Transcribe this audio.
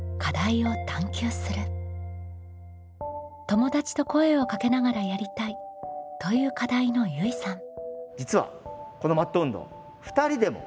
「友達と声をかけながらやりたい」という課題のゆいさん。